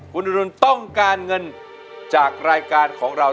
คุณอรุณต้องการเงินจากรายการของเรา